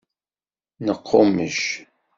Neqqummec.